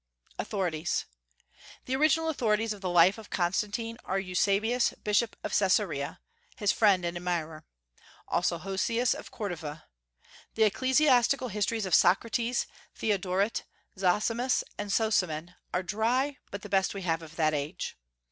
AUTHORITIES. The original authorities of the life of Constantine are Eusebius, Bishop of Caesarea, his friend and admirer; also Hosius, of Cordova. The ecclesiastical histories of Socrates, Theodoret, Zosimus, and Sozomen are dry, but the best we have of that age.